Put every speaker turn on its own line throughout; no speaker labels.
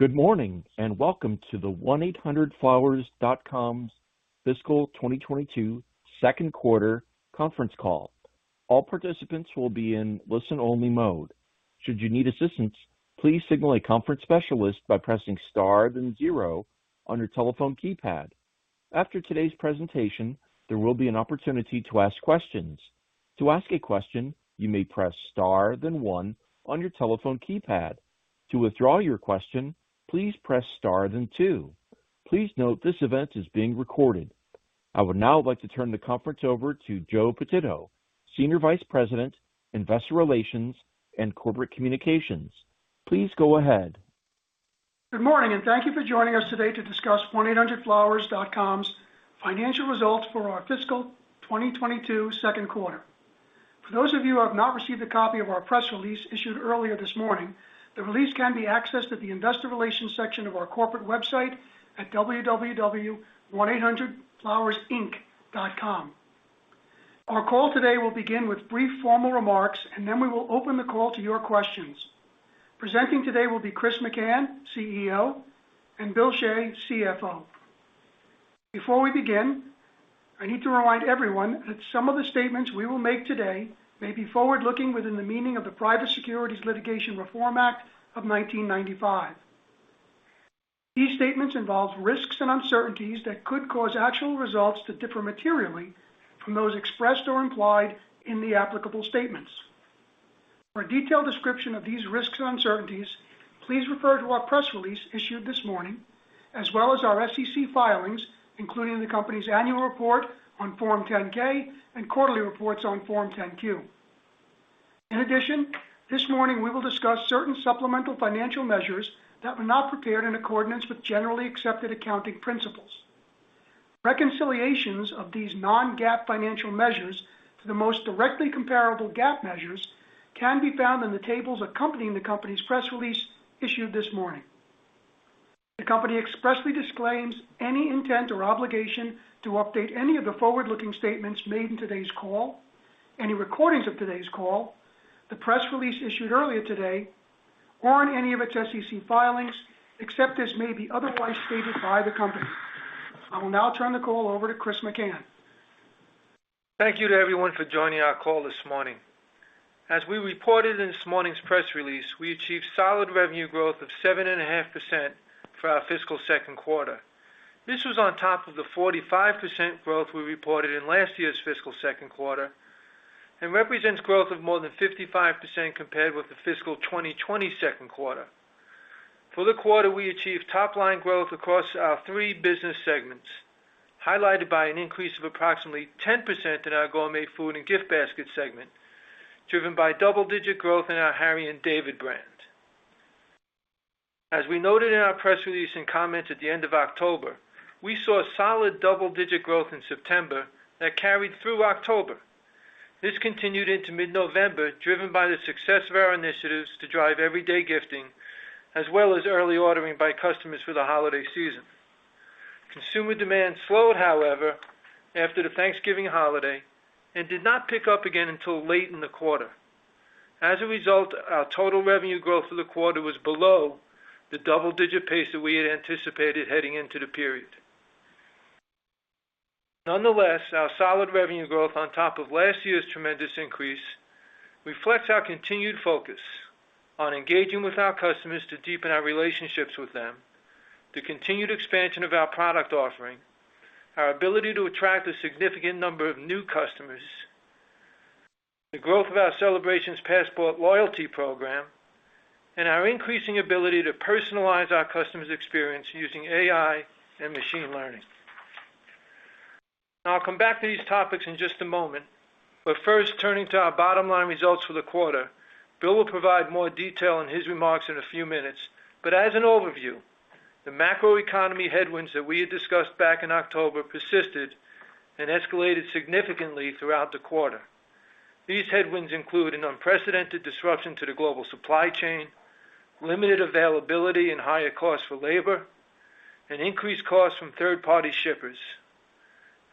Good morning, and welcome to the 1-800-FLOWERS.com's fiscal 2022 second quarter conference call. All participants will be in listen-only mode. Should you need assistance, please signal a conference specialist by pressing star, then zero on your telephone keypad. After today's presentation, there will be an opportunity to ask questions. To ask a question, you may press star, then one on your telephone keypad. To withdraw your question, please press star, then two. Please note this event is being recorded. I would now like to turn the conference over to Joe Pititto, Senior Vice President, Investor Relations and Corporate Communications. Please go ahead.
Good morning, and thank you for joining us today to discuss 1-800-FLOWERS.com's financial results for our fiscal 2022 second quarter. For those of you who have not received a copy of our press release issued earlier this morning, the release can be accessed at the investor relations section of our corporate website at www.1800flowersinc.com. Our call today will begin with brief formal remarks, and then we will open the call to your questions. Presenting today will be Chris McCann, CEO, and Bill Shea, CFO. Before we begin, I need to remind everyone that some of the statements we will make today may be forward-looking within the meaning of the Private Securities Litigation Reform Act of 1995. These statements involve risks and uncertainties that could cause actual results to differ materially from those expressed or implied in the applicable statements. For a detailed description of these risks and uncertainties, please refer to our press release issued this morning, as well as our SEC filings, including the company's annual report on Form 10-K and quarterly reports on Form 10-Q. In addition, this morning we will discuss certain supplemental financial measures that were not prepared in accordance with generally accepted accounting principles. Reconciliations of these non-GAAP financial measures to the most directly comparable GAAP measures can be found in the tables accompanying the company's press release issued this morning. The company expressly disclaims any intent or obligation to update any of the forward-looking statements made in today's call, any recordings of today's call, the press release issued earlier today, or in any of its SEC filings, except as may be otherwise stated by the company. I will now turn the call over to Chris McCann.
Thank you to everyone for joining our call this morning. As we reported in this morning's press release, we achieved solid revenue growth of 7.5% for our fiscal second quarter. This was on top of the 45% growth we reported in last year's fiscal second quarter and represents growth of more than 55% compared with the fiscal 2022 second quarter. For the quarter, we achieved top-line growth across our three business segments, highlighted by an increase of approximately 10% in our Gourmet Foods and Gift Baskets segment, driven by double-digit growth in our Harry & David brand. As we noted in our press release and comments at the end of October, we saw solid double-digit growth in September that carried through October. This continued into mid-November, driven by the success of our initiatives to drive everyday gifting as well as early ordering by customers for the holiday season. Consumer demand slowed, however, after the Thanksgiving holiday and did not pick up again until late in the quarter. As a result, our total revenue growth for the quarter was below the double-digit pace that we had anticipated heading into the period. Nonetheless, our solid revenue growth on top of last year's tremendous increase reflects our continued focus on engaging with our customers to deepen our relationships with them, the continued expansion of our product offering, our ability to attract a significant number of new customers, the Celebrations Passport loyalty program, and our increasing ability to personalize our customers' experience using AI and machine learning. Now, I'll come back to these topics in just a moment, but first, turning to our bottom-line results for the quarter. Bill will provide more detail in his remarks in a few minutes. As an overview, the macroeconomic headwinds that we had discussed back in October persisted and escalated significantly throughout the quarter. These headwinds include an unprecedented disruption to the global supply chain, limited availability and higher costs for labor, and increased costs from third-party shippers.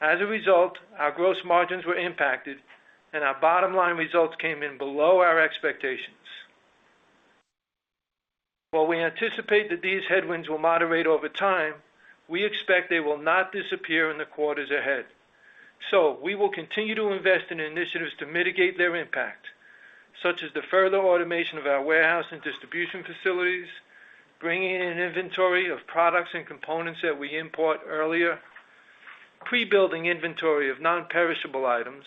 As a result, our gross margins were impacted, and our bottom-line results came in below our expectations. While we anticipate that these headwinds will moderate over time, we expect they will not disappear in the quarters ahead. So we will continue to invest in initiatives to mitigate their impact, such as the further automation of our warehouse and distribution facilities, bringing in inventory of products and components that we import earlier, pre-building inventory of non-perishable items,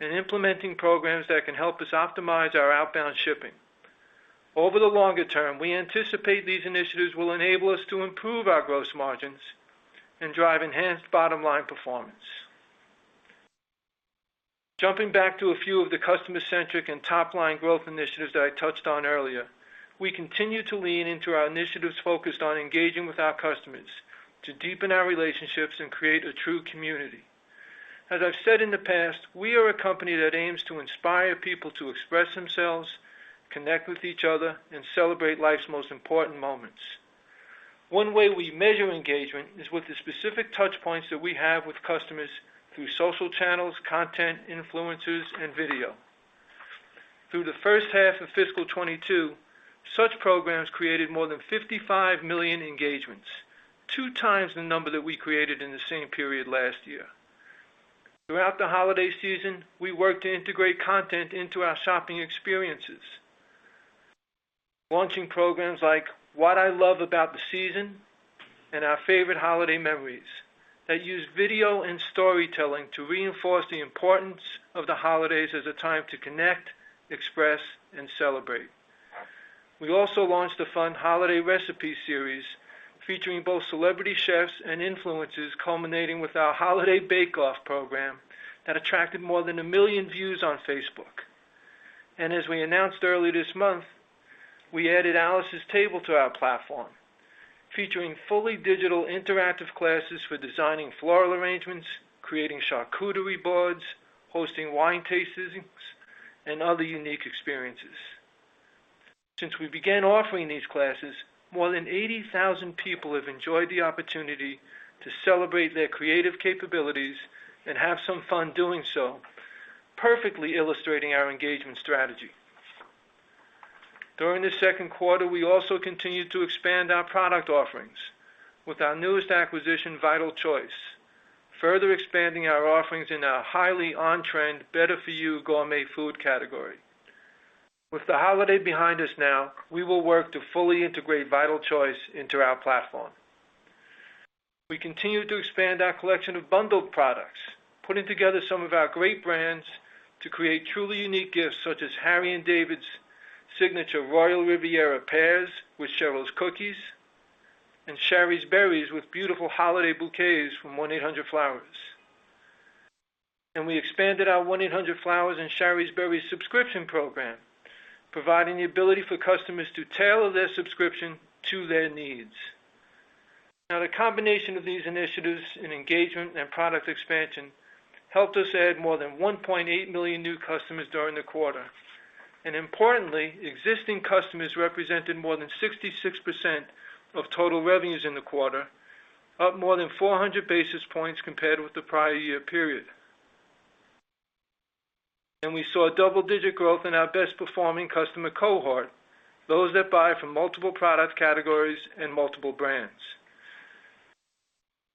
and implementing programs that can help us optimize our outbound shipping. Over the longer term, we anticipate these initiatives will enable us to improve our gross margins and drive enhanced bottom-line performance. Jumping back to a few of the customer-centric and top-line growth initiatives that I touched on earlier, we continue to lean into our initiatives focused on engaging with our customers to deepen our relationships and create a true community. As I've said in the past, we are a company that aims to inspire people to express themselves, connect with each other, and celebrate life's most important moments. One way we measure engagement is with the specific touch points that we have with customers through social channels, content, influencers, and video. Through the first half of fiscal 2022, such programs created more than 55 million engagements, two times the number that we created in the same period last year. Throughout the holiday season, we worked to integrate content into our shopping experiences, launching programs like What I Love About the Season and Our Favorite Holiday Memories that use video and storytelling to reinforce the importance of the holidays as a time to connect, express, and celebrate. We also launched a fun holiday recipe series featuring both celebrity chefs and influencers, culminating with our Holiday Bake Off program that attracted more than 1 million views on Facebook. As we announced earlier this month, we added Alice's Table to our platform, featuring fully digital interactive classes for designing floral arrangements, creating charcuterie boards, hosting wine tastings, and other unique experiences. Since we began offering these classes, more than 80,000 people have enjoyed the opportunity to celebrate their creative capabilities and have some fun doing so, perfectly illustrating our engagement strategy. During the second quarter, we also continued to expand our product offerings with our newest acquisition, Vital Choice, further expanding our offerings in our highly on-trend, better-for-you Gourmet Food category. With the holiday behind us now, we will work to fully integrate Vital Choice into our platform. We continue to expand our collection of bundled products, putting together some of our great brands to create truly unique gifts such as Harry & David's signature Royal Riviera Pears with Cheryl's Cookies and Shari's Berries with beautiful holiday bouquets from 1-800-FLOWERS. We expanded our 1-800-FLOWERS and Shari's Berries subscription program, providing the ability for customers to tailor their subscription to their needs. Now, the combination of these initiatives in engagement and product expansion helped us add more than 1.8 million new customers during the quarter. Importantly, existing customers represented more than 66% of total revenues in the quarter, up more than 400 basis points compared with the prior year period. We saw double-digit growth in our best performing customer cohort, those that buy from multiple product categories and multiple brands.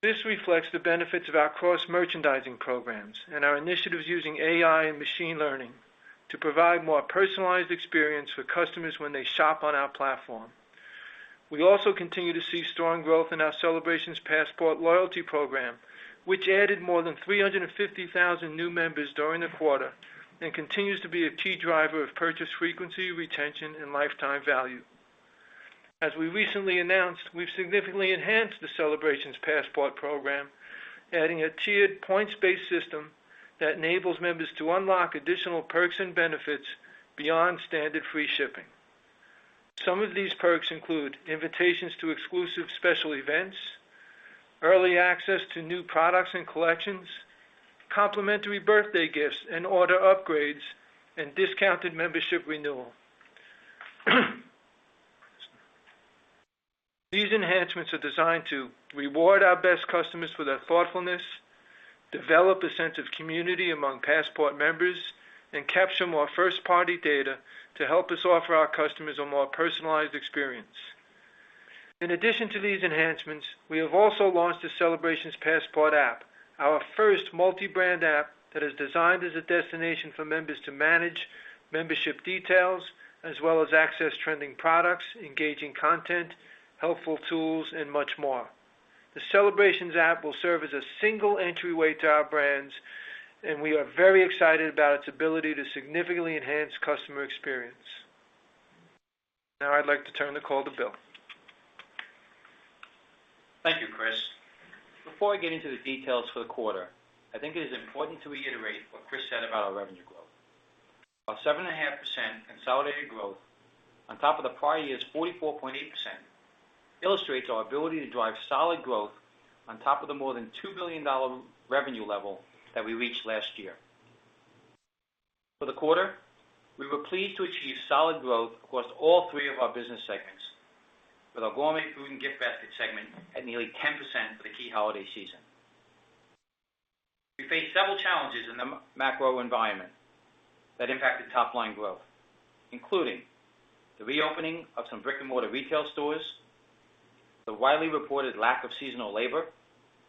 This reflects the benefits of our cross-merchandising programs and our initiatives using AI and machine learning to provide more personalized experience for customers when they shop on our platform. We also continue to see strong Celebrations Passport loyalty program, which added more than 350,000 new members during the quarter and continues to be a key driver of purchase frequency, retention, and lifetime value. As we recently announced, we've significantly enhanced the Celebrations Passport program, adding a tiered points-based system that enables members to unlock additional perks and benefits beyond standard free shipping. Some of these perks include invitations to exclusive special events, early access to new products and collections, complimentary birthday gifts and order upgrades, and discounted membership renewal. These enhancements are designed to reward our best customers for their thoughtfulness, develop a sense of community among Passport members, and capture more first-party data to help us offer our customers a more personalized experience. In addition to these enhancements, we have also launched the Celebrations Passport app, our first multi-brand app that is designed as a destination for members to manage membership details as well as access trending products, engaging content, helpful tools, and much more. The Celebrations app will serve as a single entryway to our brands, and we are very excited about its ability to significantly enhance customer experience. Now I'd like to turn the call to Bill.
Thank you, Chris. Before I get into the details for the quarter, I think it is important to reiterate what Chris said about our revenue growth. Our 7.5% consolidated growth on top of the prior year's 44.8% illustrates our ability to drive solid growth on top of the more than $2 billion revenue level that we reached last year. For the quarter, we were pleased to achieve solid growth across all three of our business segments, with our Gourmet Foods and Gift Baskets segment at nearly 10% for the key holiday season. We faced several challenges in the macro environment that impacted top line growth, including the reopening of some brick-and-mortar retail stores, the widely reported lack of seasonal labor,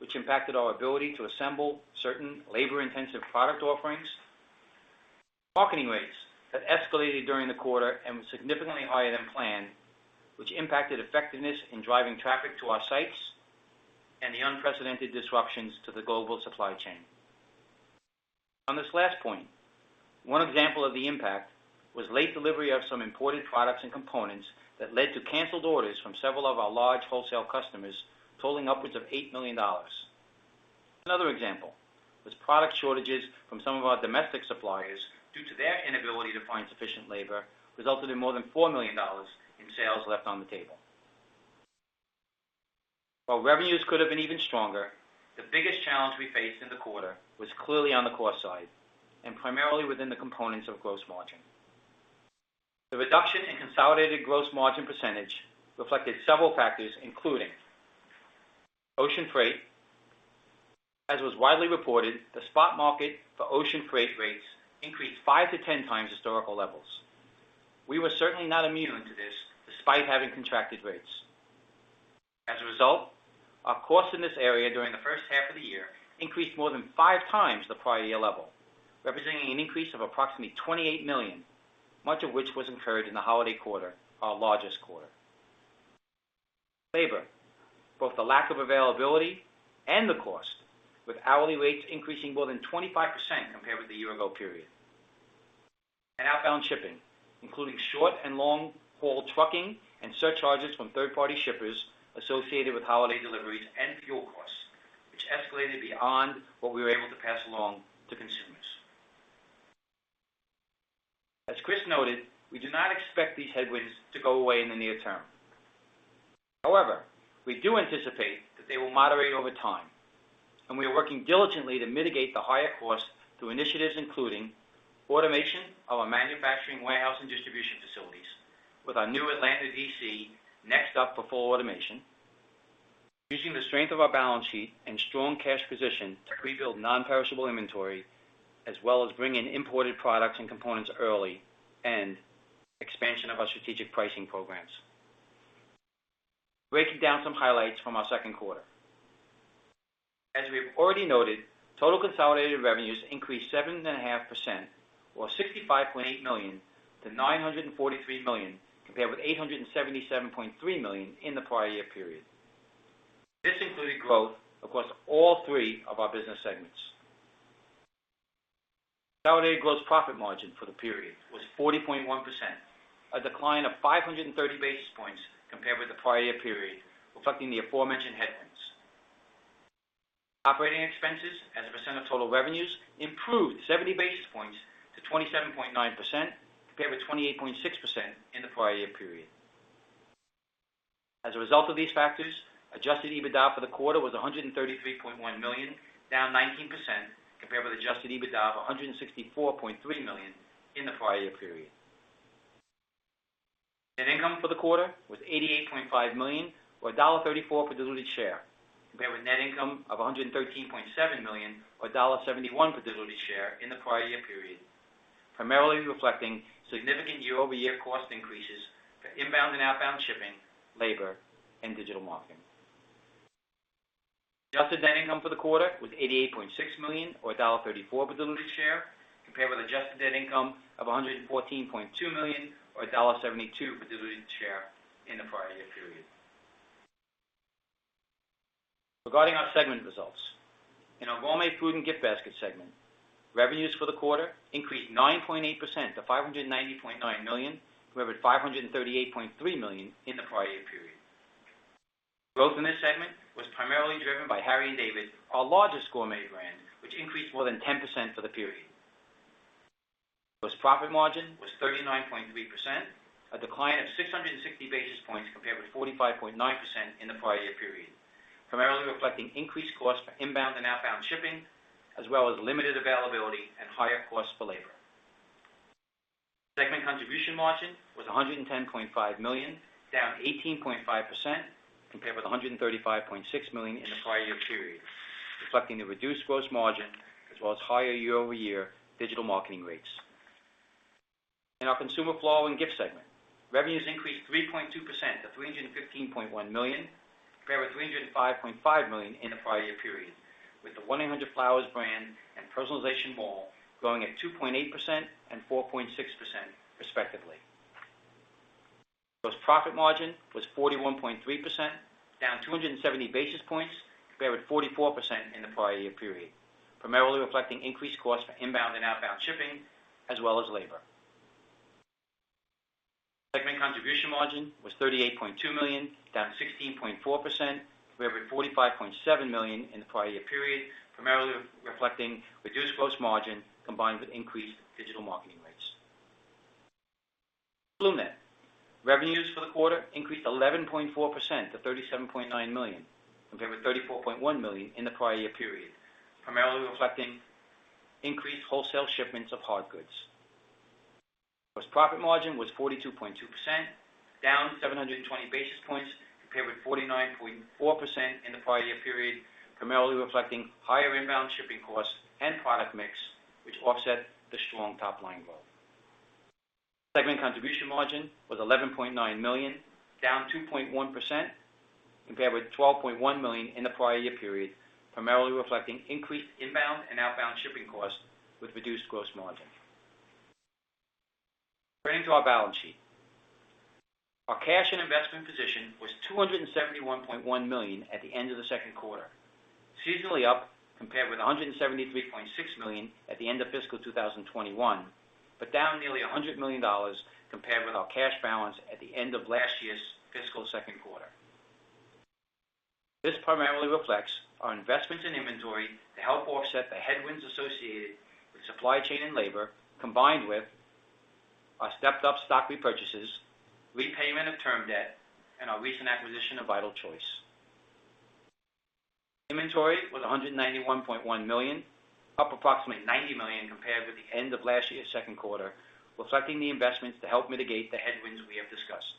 which impacted our ability to assemble certain labor-intensive product offerings. Marketing rates have escalated during the quarter and were significantly higher than planned, which impacted effectiveness in driving traffic to our sites and the unprecedented disruptions to the global supply chain. On this last point, one example of the impact was late delivery of some imported products and components that led to canceled orders from several of our large wholesale customers totaling upwards of $8 million. Another example was product shortages from some of our domestic suppliers due to their inability to find sufficient labor, resulting in more than $4 million in sales left on the table. While revenues could have been even stronger, the biggest challenge we faced in the quarter was clearly on the cost side and primarily within the components of gross margin. The reduction in consolidated gross margin percentage reflected several factors, including ocean freight. As was widely reported, the spot market for ocean freight rates increased five to 10 times historical levels. We were certainly not immune to this despite having contracted rates. As a result, our costs in this area during the first half of the year increased more than five times the prior year level, representing an increase of approximately $28 million, much of which was incurred in the holiday quarter, our largest quarter. Labor, both the lack of availability and the cost, with hourly rates increasing more than 25% compared with the year-ago period. Outbound shipping, including short and long-haul trucking and surcharges from third-party shippers associated with holiday deliveries and fuel costs, which escalated beyond what we were able to pass along to consumers. As Chris noted, we do not expect these headwinds to go away in the near term. However, we do anticipate that they will moderate over time, and we are working diligently to mitigate the higher costs through initiatives including automation of our manufacturing warehouse and distribution facilities with our new Atlanta D.C. next up for full automation, using the strength of our balance sheet and strong cash position to rebuild non-perishable inventory, as well as bring in imported products and components early, and expansion of our strategic pricing programs. Breaking down some highlights from our second quarter. As we have already noted, total consolidated revenues increased 7.5%, or $65.8 million to $943 million, compared with $877.3 million in the prior year period. This included growth across all three of our business segments. Consolidated gross profit margin for the period was 40.1%, a decline of 530 basis points compared with the prior year period, reflecting the aforementioned headwinds. Operating expenses as a percent of total revenues improved 70 basis points to 27.9% compared with 28.6% in the prior year period. As a result of these factors, adjusted EBITDA for the quarter was $133.1 million, down 19% compared with adjusted EBITDA of $164.3 million in the prior year period. Net income for the quarter was $88.5 million or $1.34 per diluted share compared with net income of $113.7 million or $1.71 per diluted share in the prior year period, primarily reflecting significant year-over-year cost increases for inbound and outbound shipping, labor, and digital marketing. Adjusted net income for the quarter was $88.6 million or $1.34 per diluted share compared with adjusted net income of $114.2 million or $1.72 per diluted share in the prior year period. Regarding our segment results. In our Gourmet Foods and Gift Baskets segment, revenues for the quarter increased 9.8% to $590.9 million compared with $538.3 million in the prior year period. Growth in this segment was primarily driven by Harry & David, our largest Gourmet brand, which increased more than 10% for the period. Gross profit margin was 39.3%, a decline of 660 basis points compared with 45.9% in the prior year period, primarily reflecting increased cost for inbound and outbound shipping, as well as limited availability and higher costs for labor. Segment contribution margin was $110.5 million, down 18.5% compared with $135.6 million in the prior year period, reflecting the reduced gross margin as well as higher year-over-year digital marketing rates. In our Consumer Floral & Gifts segment, revenues increased 3.2% to $315.1 million compared with $305.5 million in the prior year period, with the 1-800-FLOWERS brand and Personalization Mall growing at 2.8% and 4.6% respectively. Gross profit margin was 41.3%, down 270 basis points compared with 44% in the prior year period, primarily reflecting increased cost for inbound and outbound shipping as well as labor. Segment contribution margin was $38.2 million, down 16.4% compared with $45.7 million in the prior year period, primarily reflecting reduced gross margin combined with increased digital marketing rates. BloomNet, revenues for the quarter increased 11.4% to $37.9 million compared with $34.1 million in the prior year period, primarily reflecting increased wholesale shipments of hard goods. Gross profit margin was 42.2%, down 720 basis points compared with 49.4% in the prior year period, primarily reflecting higher inbound shipping costs and product mix, which offset the strong top-line growth. Segment contribution margin was $11.9 million, down 2.1% compared with $12.1 million in the prior year period, primarily reflecting increased inbound and outbound shipping costs with reduced gross margin. Turning to our balance sheet. Our cash and investment position was $271.1 million at the end of the second quarter, seasonally up compared with $173.6 million at the end of fiscal 2021, but down nearly $100 million compared with our cash balance at the end of last year's fiscal second quarter. This primarily reflects our investments in inventory to help offset the headwinds associated with supply chain and labor, combined with our stepped-up stock repurchases, repayment of term debt, and our recent acquisition of Vital Choice. Inventory was $191.1 million, up approximately $90 million compared with the end of last year's second quarter, reflecting the investments to help mitigate the headwinds we have discussed.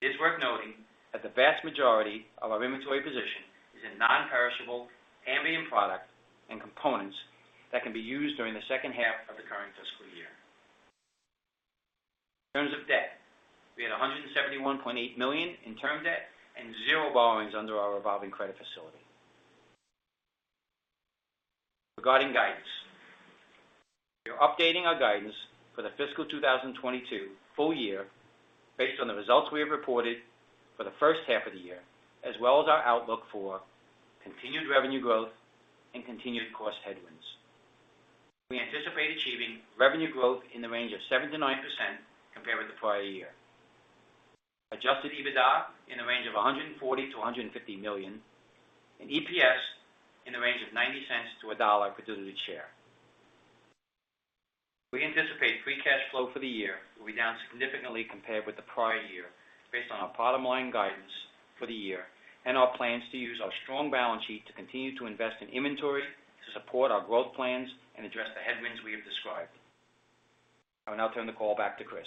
It's worth noting that the vast majority of our inventory position is in non-perishable ambient product and components that can be used during the second half of the current fiscal year. In terms of debt, we had $171.8 million in term debt and zero borrowings under our revolving credit facility. Regarding guidance, we are updating our guidance for the fiscal 2022 full year based on the results we have reported for the first half of the year, as well as our outlook for continued revenue growth and continued cost headwinds. We anticipate achieving revenue growth in the range of 7%-9% compared with the prior year. Adjusted EBITDA in the range of $140 million-$150 million, and EPS in the range of $0.90-$1.00 per diluted share. We anticipate free cash flow for the year will be down significantly compared with the prior year based on our bottom line guidance for the year and our plans to use our strong balance sheet to continue to invest in inventory to support our growth plans and address the headwinds we have described. I will now turn the call back to Chris.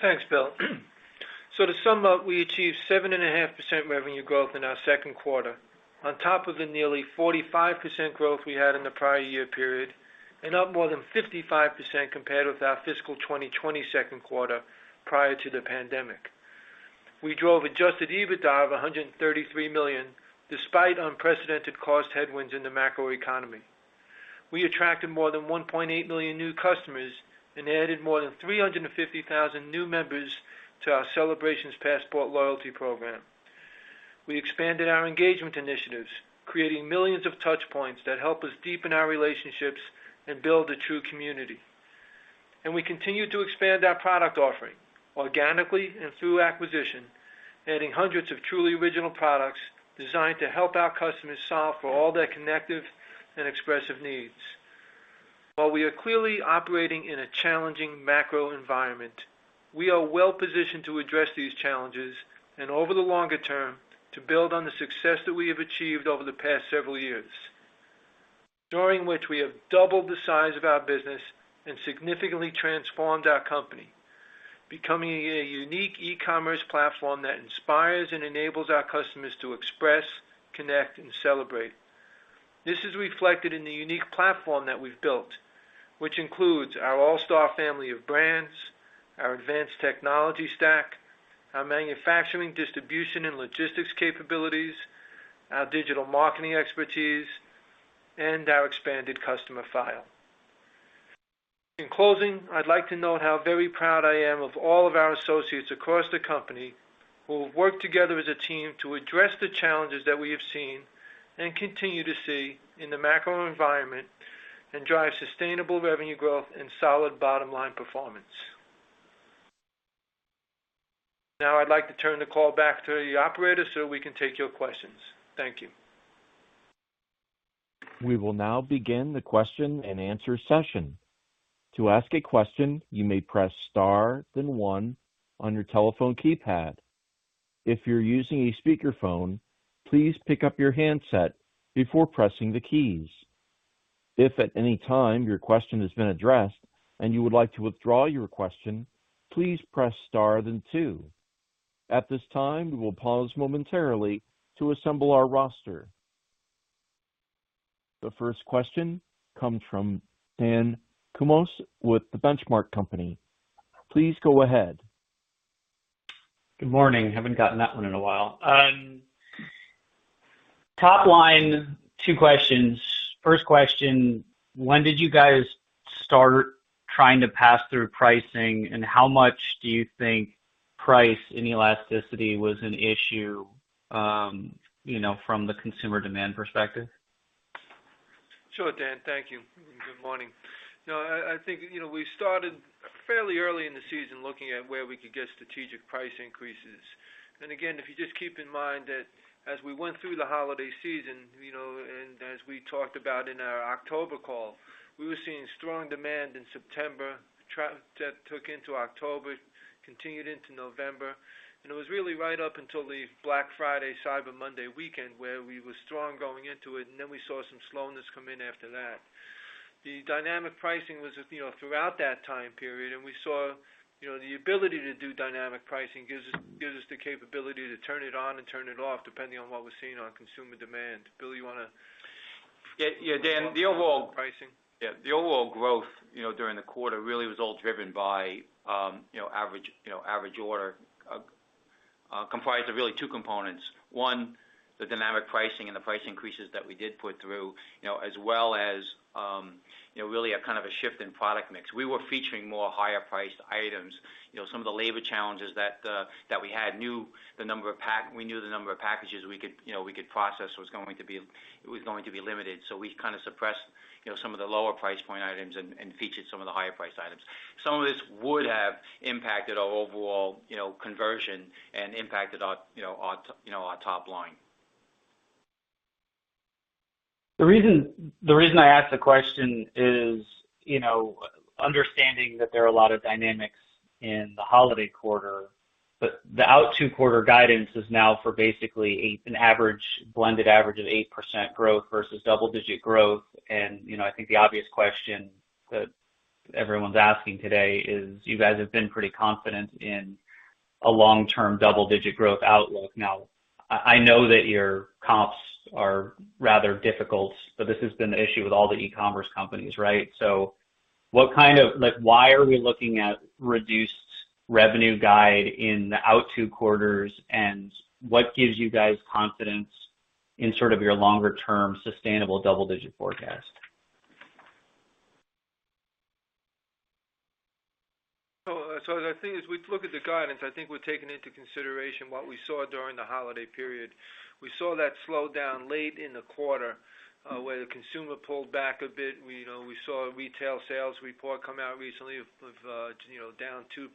Thanks, Bill. To sum up, we achieved 7.5% revenue growth in our second quarter on top of the nearly 45% growth we had in the prior year period, and up more than 55% compared with our fiscal 2020 second quarter prior to the pandemic. We drove adjusted EBITDA of $133 million despite unprecedented cost headwinds in the macro economy. We attracted more than 1.8 million new customers and added more than 350,000 new Celebrations Passport loyalty program. we expanded our engagement initiatives, creating millions of touch points that help us deepen our relationships and build a true community. We continue to expand our product offering organically and through acquisition, adding hundreds of truly original products designed to help our customers solve for all their connective and expressive needs. While we are clearly operating in a challenging macro environment, we are well positioned to address these challenges and over the longer term, to build on the success that we have achieved over the past several years, during which we have doubled the size of our business and significantly transformed our company, becoming a unique e-commerce platform that inspires and enables our customers to express, connect, and celebrate. This is reflected in the unique platform that we've built, which includes our all-star family of brands, our advanced technology stack, our manufacturing, distribution, and logistics capabilities, our digital marketing expertise, and our expanded customer file. In closing, I'd like to note how very proud I am of all of our associates across the company who have worked together as a team to address the challenges that we have seen and continue to see in the macro environment and drive sustainable revenue growth and solid bottom line performance. Now I'd like to turn the call back to the operator so we can take your questions. Thank you.
We will now begin the question-and-answer session. To ask a question, you may press star then one on your telephone keypad. If you're using a speakerphone, please pick up your handset before pressing the keys. If at any time your question has been addressed and you would like to withdraw your question, please press star then two. At this time, we will pause momentarily to assemble our roster. The first question comes from Dan Kurnos with The Benchmark Company. Please go ahead.
Good morning, haven't gotten that one in a while. Top line, two questions. First question, when did you guys start trying to pass through pricing, and how much do you think price and elasticity was an issue, you know, from the consumer demand perspective?
Sure, Dan. Thank you, and good morning. No, I think, you know, we started fairly early in the season looking at where we could get strategic price increases. Again, if you just keep in mind that as we went through the holiday season, you know, and as we talked about in our October call, we were seeing strong demand in September. That took into October, continued into November, and it was really right up until the Black Friday, Cyber Monday weekend where we were strong going into it, and then we saw some slowness come in after that. The dynamic pricing was, you know, throughout that time period, and we saw, you know, the ability to do dynamic pricing gives us the capability to turn it on and turn it off, depending on what we're seeing on consumer demand. Bill, you wanna?
Yeah. Yeah, Dan, the overall.
Pricing.
Yeah, the overall growth, you know, during the quarter really was all driven by average order comprised of really two components. One, the dynamic pricing and the price increases that we did put through, you know, as well as, you know, really a kind of a shift in product mix. We were featuring more higher priced items. You know, some of the labor challenges that we had, we knew the number of packages we could process was going to be limited, so we kind of suppressed, you know, some of the lower price point items and featured some of the higher priced items. Some of this would have impacted our overall, you know, conversion and impacted our, you know, our top line.
The reason I ask the question is, you know, understanding that there are a lot of dynamics in the holiday quarter, but the out two quarter guidance is now for basically an average, blended average of 8% growth versus double-digit growth. You know, I think the obvious question that everyone's asking today is you guys have been pretty confident in a long-term double-digit growth outlook. Now, I know that your comps are rather difficult, but this has been the issue with all the e-commerce companies, right? What kind of, like, why are we looking at reduced revenue guide in the out two quarters? And what gives you guys confidence in sort of your longer term sustainable double-digit forecast?
The thing is, we look at the guidance. I think we're taking into consideration what we saw during the holiday period. We saw that slowdown late in the quarter, where the consumer pulled back a bit. We know we saw a retail sales report come out recently of, you know, down 2%.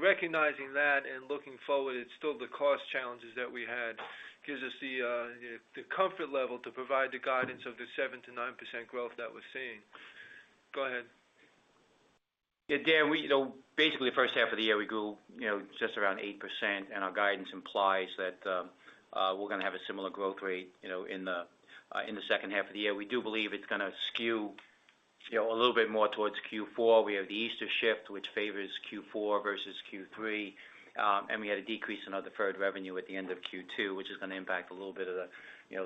Recognizing that and looking forward, it's still the cost challenges that we had, gives us the comfort level to provide the guidance of the 7%-9% growth that we're seeing. Go ahead.
Yeah, Dan, we you know basically first half of the year we grew you know just around 8% and our guidance implies that we're gonna have a similar growth rate you know in the second half of the year. We do believe it's gonna skew you know a little bit more towards Q4. We have the Easter shift, which favors Q4 versus Q3. We had a decrease in our deferred revenue at the end of Q2, which is gonna impact a little bit of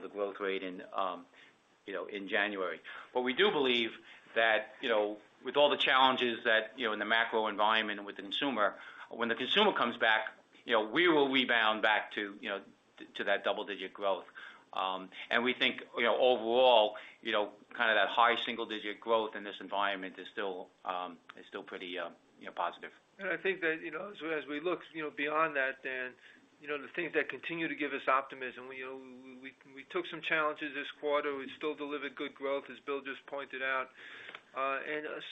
the growth rate in January. We do believe that you know with all the challenges that you know in the macro environment with the consumer, when the consumer comes back you know we will rebound back to you know to that double-digit growth. We think, you know, overall, you know, kind of that high single-digit growth in this environment is still pretty, you know, positive.
I think that, you know, as we look, you know, beyond that then, you know, the things that continue to give us optimism, you know, we took some challenges this quarter. We still delivered good growth, as Bill just pointed out.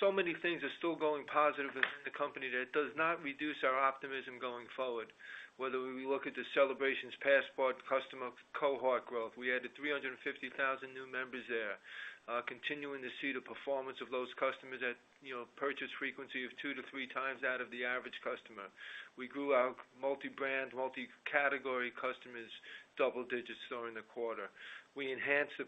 So many things are still going positive within the company that it does not reduce our optimism going forward. Whether we look at the Celebrations Passport customer cohort growth, we added 350,000 new members there, continuing to see the performance of those customers at, you know, purchase frequency of two to three times out of the average customer. We grew our multi-brand, multi-category customers double digits during the quarter. We're enhancing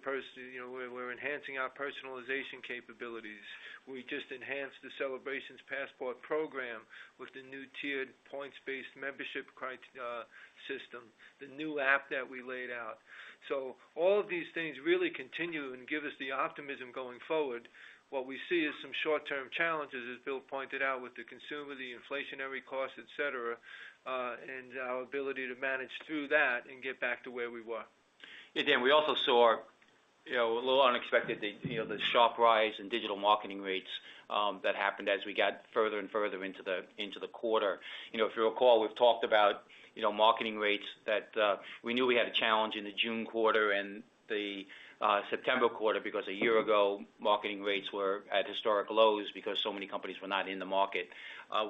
our personalization capabilities. We just enhanced the Celebrations Passport program with the new tiered points-based membership system, the new app that we laid out. All of these things really continue and give us the optimism going forward. What we see is some short-term challenges, as Bill pointed out, with the consumer, the inflationary costs, et cetera, and our ability to manage through that and get back to where we were.
Yeah Dan, we also saw, you know, a little unexpected, the sharp rise in digital marketing rates that happened as we got further and further into the quarter. You know, if you recall, we've talked about, you know, marketing rates that we knew we had a challenge in the June quarter and the September quarter because a year ago, marketing rates were at historic lows because so many companies were not in the market.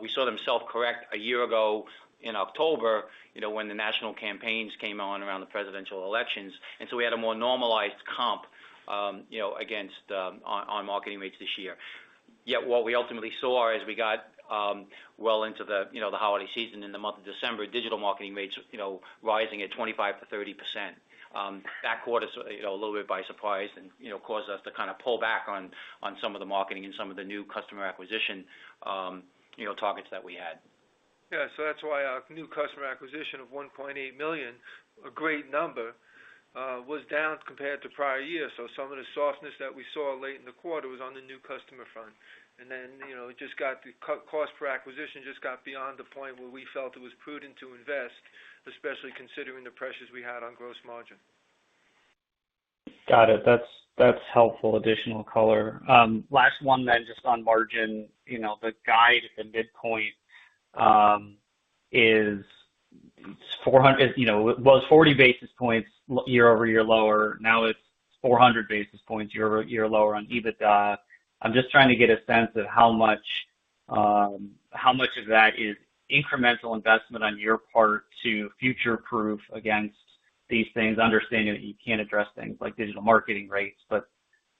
We saw them self-correct a year ago in October, you know, when the national campaigns came on around the presidential elections. We had a more normalized comp, you know, against, on marketing rates this year. Yet what we ultimately saw as we got, well into the, you know, the holiday season in the month of December, digital marketing rates, you know, rising at 25%-30%, that caught us, you know, a little bit by surprise and, you know, caused us to kind of pull back on some of the marketing and some of the new customer acquisition, you know, targets that we had.
Yeah. That's why our new customer acquisition of 1.8 million, a great number, was down compared to prior years. Some of the softness that we saw late in the quarter was on the new customer front. You know, it just got the cost per acquisition beyond the point where we felt it was prudent to invest, especially considering the pressures we had on gross margin.
Got it that's helpful additional color. Last one then, just on margin. You know, the guide at the midpoint is 400. You know, well, it's 40 basis points year-over-year lower. Now it's 400 basis points year-over-year lower on EBITDA. I'm just trying to get a sense of how much, how much of that is incremental investment on your part to future-proof against these things, understanding that you can't address things like digital marketing rates, but,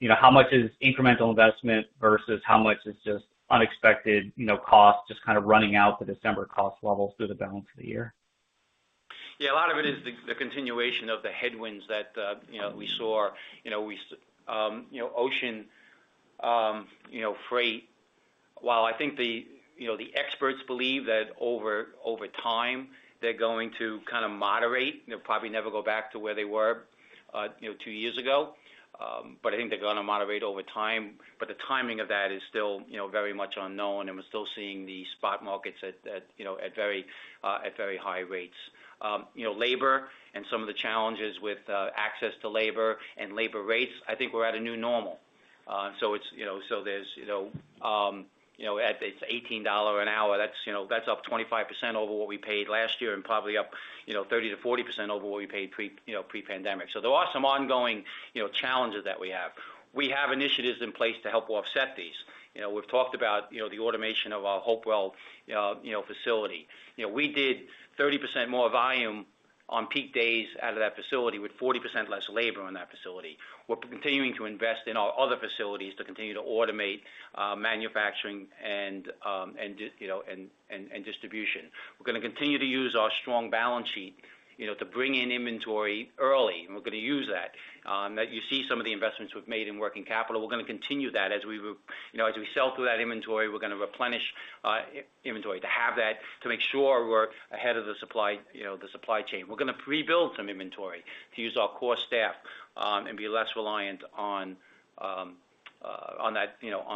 you know, how much is incremental investment versus how much is just unexpected, you know, costs just kind of running out the December cost levels through the balance of the year?
Yeah, a lot of it is the continuation of the headwinds that, you know, we saw. You know, ocean freight. While I think the experts believe that over time, they're going to kind of moderate. They'll probably never go back to where they were, you know, two years ago. I think they're gonna moderate over time, but the timing of that is still, you know, very much unknown, and we're still seeing the spot markets at very high rates. You know, labor and some of the challenges with access to labor and labor rates, I think we're at a new normal. It's, you know, there's, you know, at $18 an hour, that's, you know, up 25% over what we paid last year and probably up 30%-40% over what we paid pre-pandemic. There are some ongoing, you know, challenges that we have. We have initiatives in place to help offset these. You know, we've talked about, you know, the automation of our Hebron, you know, facility. You know, we did 30% more volume on peak days out of that facility with 40% less labor on that facility. We're continuing to invest in our other facilities to continue to automate manufacturing and distribution. We're gonna continue to use our strong balance sheet, you know, to bring in inventory early, and we're gonna use that. That you see some of the investments we've made in working capital, we're gonna continue that as we sell through that inventory, we're gonna replenish inventory to have that to make sure we're ahead of the supply chain. We're gonna rebuild some inventory to use our core staff, and be less reliant on that, on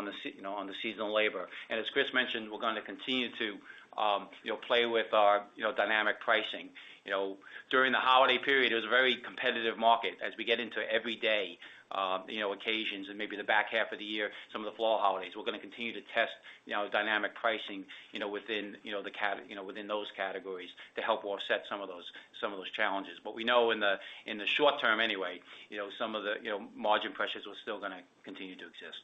the seasonal labor. As Chris mentioned, we're gonna continue to play with our dynamic pricing. You know, during the holiday period, it was a very competitive market. As we get into every day, you know, occasions and maybe the back half of the year, some of the fall holidays, we're gonna continue to test, you know, dynamic pricing, you know, within those categories to help offset some of those challenges. We know in the short term anyway, you know, some of the margin pressures are still gonna continue to exist.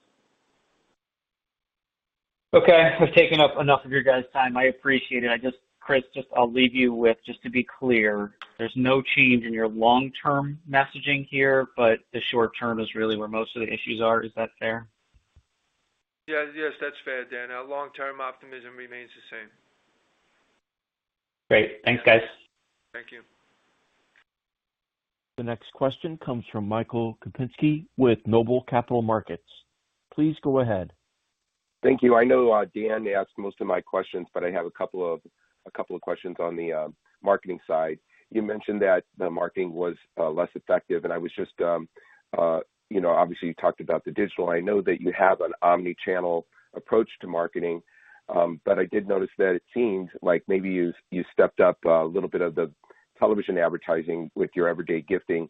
Okay I've taken up enough of your guys' time. I appreciate it. I just, Chris, just I'll leave you with, just to be clear, there's no change in your long-term messaging here, but the short term is really where most of the issues are. Is that fair?
Yes. Yes, that's fair, Dan. Our long-term optimism remains the same.
Great thanks, guys.
Thank you.
The next question comes from Michael Kupinski with Noble Capital Markets. Please go ahead.
Thank you. I know Dan asked most of my questions, but I have a couple of questions on the marketing side. You mentioned that the marketing was less effective, and I was just you know, obviously, you talked about the digital. I know that you have an omnichannel approach to marketing, but I did notice that it seems like maybe you stepped up a little bit of the television advertising with your everyday gifting.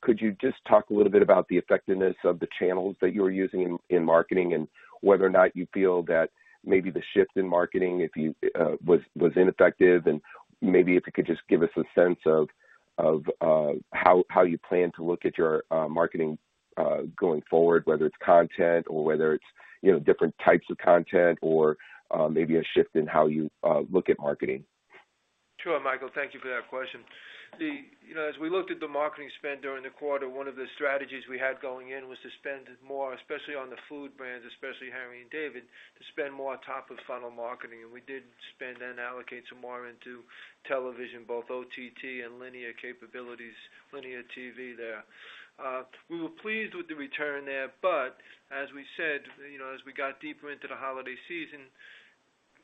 Could you just talk a little bit about the effectiveness of the channels that you're using in marketing and whether or not you feel that maybe the shift in marketing, if it was ineffective, and maybe if you could just give us a sense of how you plan to look at your marketing going forward, whether it's content or whether it's, you know, different types of content or maybe a shift in how you look at marketing?
Sure, Michael. Thank you for that question. You know, as we looked at the marketing spend during the quarter, one of the strategies we had going in was to spend more, especially on the food brands, especially Harry & David, to spend more on top-of-funnel marketing. We did spend and allocate some more into television, both OTT and linear capabilities, linear TV there. We were pleased with the return there, but as we said, you know, as we got deeper into the holiday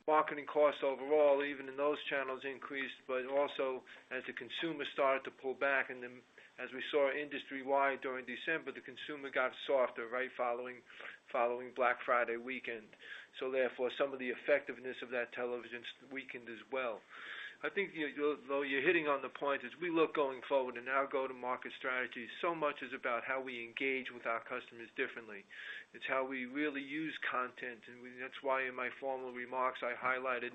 season, marketing costs overall, even in those channels, increased. Also, as the consumer started to pull back, and then as we saw industry-wide during December, the consumer got softer, right? Following Black Friday weekend. Therefore, some of the effectiveness of that television weakened as well. I think, you know, you're hitting on the point as we look going forward and our go-to-market strategy, so much is about how we engage with our customers differently. It's how we really use content, and that's why in my formal remarks, I highlighted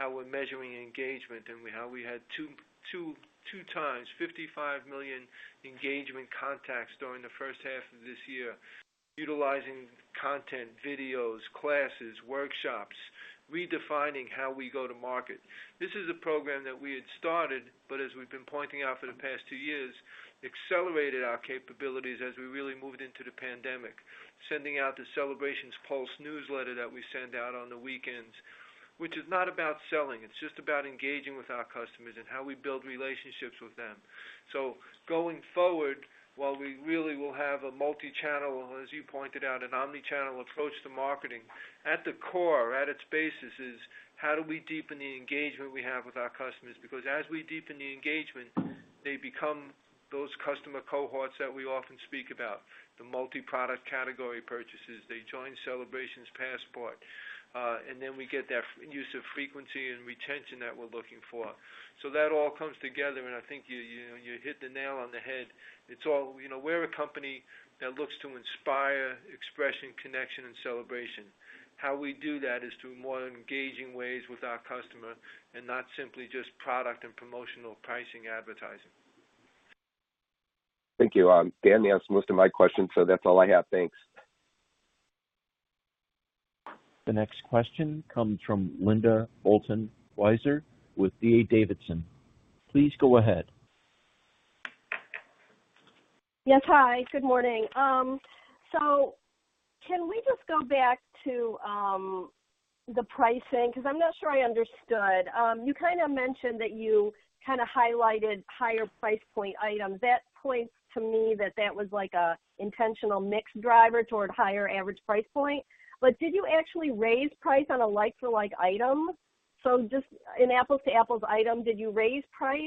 how we're measuring engagement and how we had 2x 55 million engagement contacts during the first half of this year, utilizing content, videos, classes, workshops, redefining how we go to market. This is a program that we had started, but as we've been pointing out for the past two years, accelerated our capabilities as we really moved into the pandemic, sending out the Celebrations Pulse newsletter that we send out on the weekends, which is not about selling. It's just about engaging with our customers and how we build relationships with them. Going forward, while we really will have a multi-channel, as you pointed out, an omnichannel approach to marketing, at the core, at its basis is how do we deepen the engagement we have with our customers? Because as we deepen the engagement, they become those customer cohorts that we often speak about, the multi-product category purchases. They join Celebrations Passport, and then we get that use of frequency and retention that we're looking for. That all comes together, and I think you hit the nail on the head. It's all. You know, we're a company that looks to inspire expression, connection and celebration. How we do that is through more engaging ways with our customer and not simply just product and promotional pricing advertising.
Thank you. Dan asked most of my questions, so that's all I have. Thanks.
The next question comes from Linda Bolton Weiser with D.A. Davidson. Please go ahead.
Yes. Hi. Good morning. Can we just go back to the pricing? Because I'm not sure I understood. You kinda mentioned that you kinda highlighted higher price point items. That points to me that was like an intentional mix driver toward higher average price point. But did you actually raise price on a like-for-like item? Just an apples-to-apples item, did you raise price?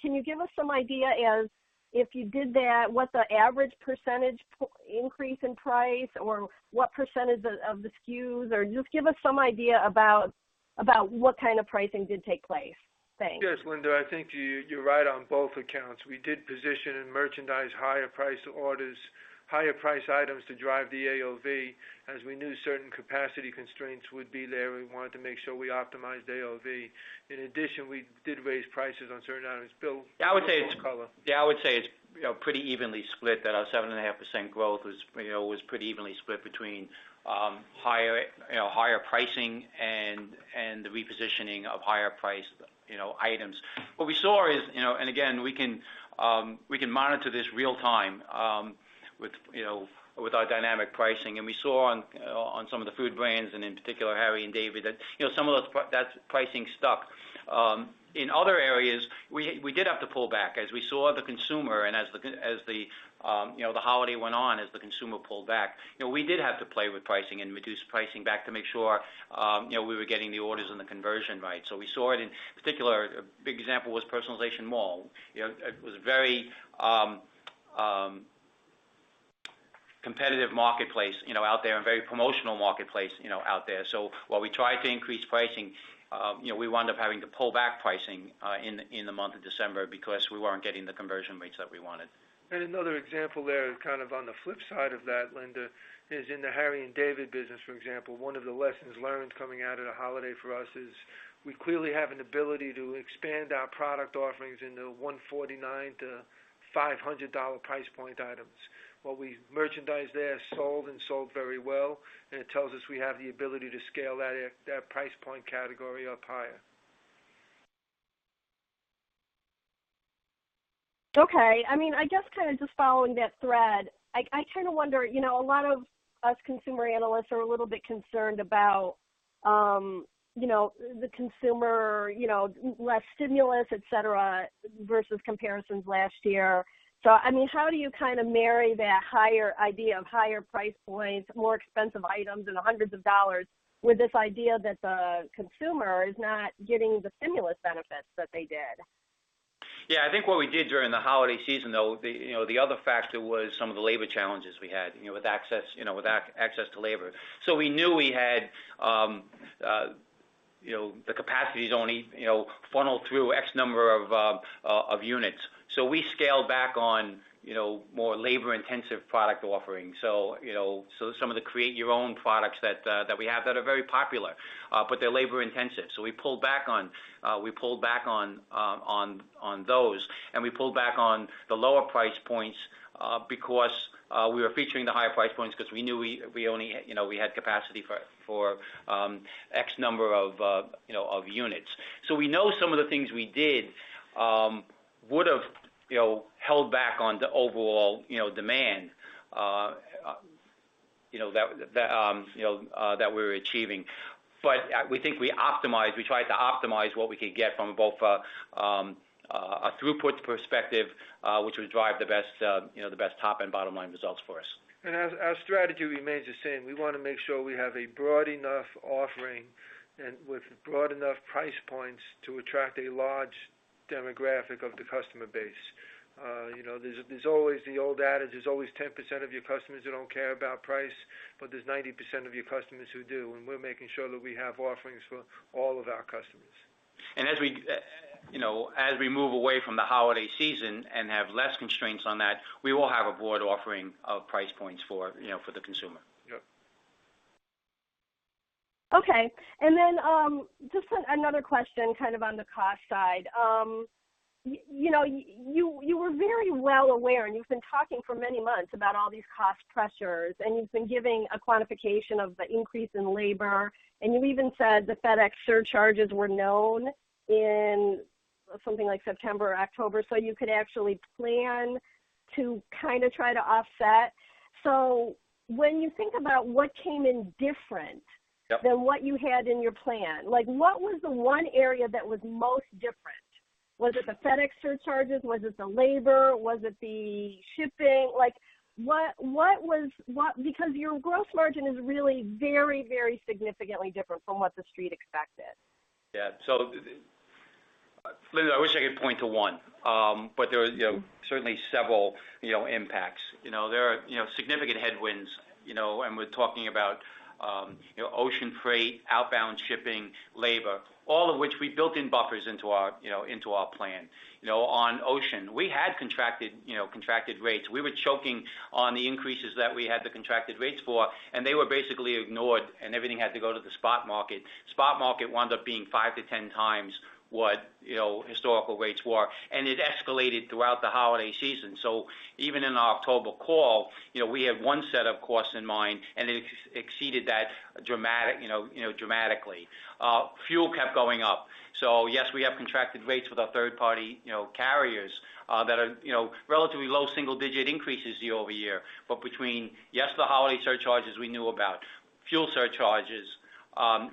Can you give us some idea as if you did that, what the average percentage point increase in price or what percentage of the SKUs or just give us some idea about what kind of pricing did take place. Thanks.
Yes, Linda, I think you're right on both accounts. We did position and merchandise higher price orders, higher price items to drive the AOV. As we knew certain capacity constraints would be there, we wanted to make sure we optimized AOV. In addition, we did raise prices on certain items. Bill?
Yeah, I would say it's, you know, pretty evenly split. That our 7.5% growth was, you know, pretty evenly split between higher, you know, higher pricing and the repositioning of higher priced, you know, items. What we saw is, you know, and again, we can monitor this real time with our dynamic pricing. We saw on some of the food brands, and in particular Harry & David, that, you know, some of those that pricing stuck. In other areas, we did have to pull back as we saw the consumer and as the holiday went on, as the consumer pulled back. You know, we did have to play with pricing and reduce pricing back to make sure, you know, we were getting the orders and the conversion right. We saw it in particular, a big example was Personalization Mall. You know, it was very competitive marketplace, you know, out there and very promotional marketplace, you know, out there. While we tried to increase pricing, you know, we wound up having to pull back pricing in the month of December because we weren't getting the conversion rates that we wanted.
Another example there, kind of on the flip side of that, Linda, is in the Harry & David business, for example, one of the lessons learned coming out of the holiday for us is we clearly have an ability to expand our product offerings into $149-$500 price point items. What we merchandised there sold and sold very well, and it tells us we have the ability to scale that at that price point category up higher.
Okay I mean, I guess kind of just following that thread, I kind of wonder, you know, a lot of us consumer analysts are a little bit concerned about, you know, the consumer, you know, less stimulus, et cetera, versus comparisons last year. I mean, how do you kind of marry that higher idea of higher price points, more expensive items and hundreds of dollars with this idea that the consumer is not getting the stimulus benefits that they did?
Yeah. I think what we did during the holiday season, though, you know, the other factor was some of the labor challenges we had, you know, with access to labor. We knew we had, you know, the capacity only funneled through X number of units. We scaled back on, you know, more labor intensive product offerings. Some of the create your own products that we have that are very popular, but they're labor intensive. We pulled back on those, and we pulled back on the lower price points, because we were featuring the higher price points because we knew we only, you know, we had capacity for X number of units. We know some of the things we did would've, you know, held back on the overall, you know, demand, you know, that we were achieving. We think we optimized, we tried to optimize what we could get from both a throughput perspective, which would drive the best top and bottom line results for us.
Our strategy remains the same. We wanna make sure we have a broad enough offering and with broad enough price points to attract a large demographic of the customer base. You know, there's always the old adage, there's always 10% of your customers who don't care about price, but there's 90% of your customers who do. We're making sure that we have offerings for all of our customers.
As we, you know, as we move away from the holiday season and have less constraints on that, we will have a broad offering of price points for, you know, for the consumer.
Yep.
Okay. Just another question kind of on the cost side. You know, you were very well aware, and you've been talking for many months about all these cost pressures, and you've been giving a quantification of the increase in labor, and you even said the FedEx surcharges were known in something like September or October, so you could actually plan to kind of try to offset. When you think about what came in different.
Yep.
Than what you had in your plan, like what was the one area that was most different? Was it the FedEx surcharges? Was it the labor? Was it the shipping? Like what was because your gross margin is really very, very significantly different from what the street expected.
Yeah Linda, I wish I could point to one. But there were, you know, certainly several, you know, impacts. You know, there are, you know, significant headwinds, you know, and we're talking about, you know, ocean freight, outbound shipping, labor, all of which we built in buffers into our plan. You know, on ocean, we had contracted rates. We were choking on the increases that we had the contracted rates for, and they were basically ignored, and everything had to go to the spot market. Spot market wound up being five to 10 times what, you know, historical rates were, and it escalated throughout the holiday season. Even in our October call, you know, we had one set of costs in mind, and it exceeded that dramatically. Fuel kept going up. Yes, we have contracted rates with our third party, you know, carriers that are, you know, relatively low single digit increases year-over-year. Between, yes, the holiday surcharges we knew about, fuel surcharges,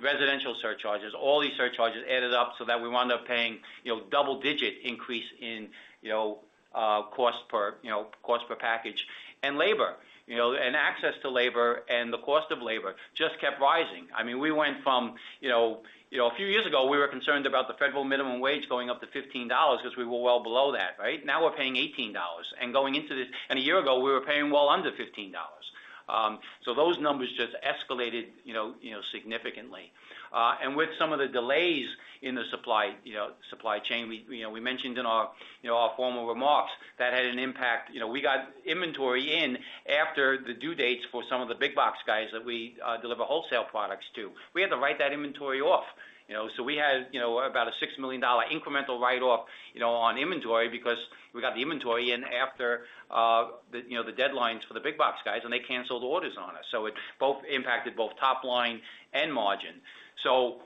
residential surcharges, all these surcharges added up so that we wound up paying, you know, double digit increase in, you know, cost per package. Labor, you know, and access to labor and the cost of labor just kept rising. I mean, we went from a few years ago, we were concerned about the federal minimum wage going up to $15 because we were well below that, right? Now we're paying $18 and going into this. A year ago, we were paying well under $15. Those numbers just escalated, you know, significantly. With some of the delays in the supply chain, we mentioned in our formal remarks that had an impact. You know, we got inventory in after the due dates for some of the big box guys that we deliver wholesale products to. We had to write that inventory off, you know. We had, you know, about a $6 million incremental write-off, you know, on inventory because we got the inventory in after the deadlines for the big box guys, and they canceled orders on us. It impacted both top line and margin.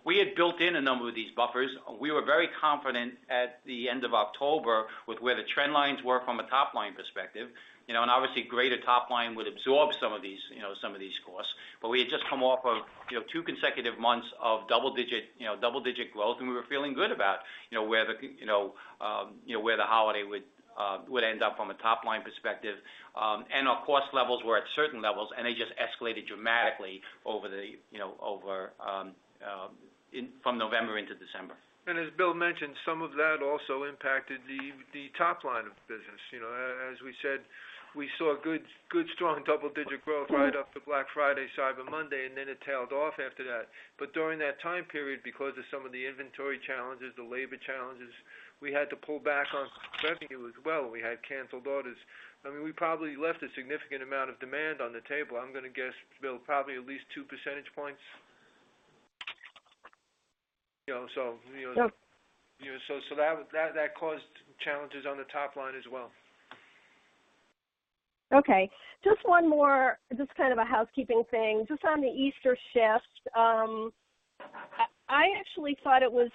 We had built in a number of these buffers. We were very confident at the end of October with where the trend lines were from a top-line perspective, you know. Obviously greater top line would absorb some of these, you know, costs. We had just come off of, you know, two consecutive months of double digit, you know, growth, and we were feeling good about, you know, where the, you know, holiday would end up from a top-line perspective. Our cost levels were at certain levels, and they just escalated dramatically over the, you know, from November into December.
As Bill mentioned, some of that also impacted the top line of business. You know, as we said, we saw good strong double-digit growth right off the Black Friday, Cyber Monday, and then it tailed off after that. During that time period, because of some of the inventory challenges, the labor challenges, we had to pull back on revenue as well. We had canceled orders. I mean, we probably left a significant amount of demand on the table. I'm gonna guess, Bill, probably at least 2 percentage points. You know, so, you know.
Yep.
You know, that caused challenges on the top line as well.
Okay. Just one more. Just kind of a housekeeping thing. Just on the Easter shift. I actually thought it was